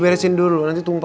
terus ini jangan sekilip